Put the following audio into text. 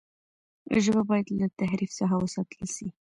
ژبه باید له تحریف څخه وساتل سي.